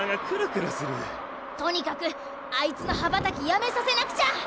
とにかくあいつのはばたきやめさせなくちゃ！